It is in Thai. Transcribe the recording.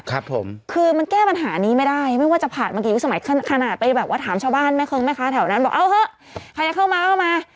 ครับผมคือมันแก้ปัญหานี้ไม่ได้ไม่ว่าจะผ่านมากี่ยุสมัยขนาดไปแบบว่าถามชาวบ้านแม่คงแม่ค้าแถวนั้นบอกเอาเถอะใครจะเข้ามาเข้ามา